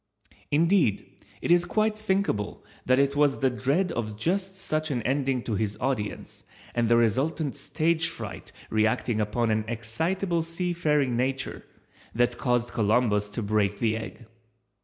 Indeed, it is quite thinkable that it was the dread of just such an ending to his audience and the resultant stage fright reacting upon an excitable sea faring nature that caused Columbus to break the egg.